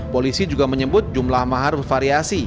polisi juga menyebut jumlah mahar bervariasi